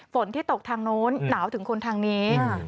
ฝนที่ตกทางโน้นหนาวถึงคนทางนี้